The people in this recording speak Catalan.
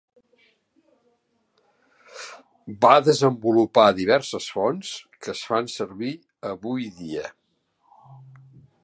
Va desenvolupar diverses fonts que es fan servir avui dia.